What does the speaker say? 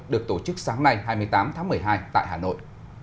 được tổ chức sáng nay hai mươi tám tháng một mươi hai tại hà nội